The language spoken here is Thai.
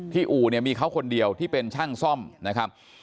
อู่เนี่ยมีเขาคนเดียวที่เป็นช่างซ่อมนะครับ